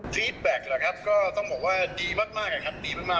ฟีดแบ็กหรือครับก็ต้องบอกว่าดีมากค่ะดีมาก